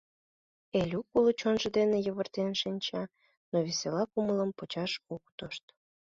Элюк уло чонжо дене йывыртен шинча, но весела кумылым почаш ок тошт.